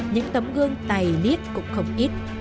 những tấm gương tài liết cũng không ít